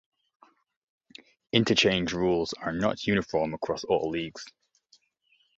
Interchange rules are not uniform across all leagues.